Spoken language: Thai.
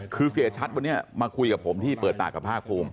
คือเสียชัดวันนี้มาคุยกับผมที่เปิดปากกับภาคภูมิ